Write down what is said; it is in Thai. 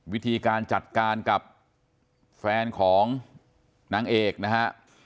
วิธีการจัดการกับแฟนของนางเอกนะฮะ